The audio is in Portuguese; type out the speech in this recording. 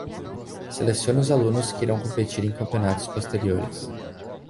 Selecione os alunos que irão competir em campeonatos posteriores.